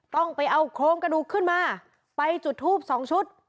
ต้องไปเอาโครงกระดูกขึ้นมาไปจุดทูปสองชุด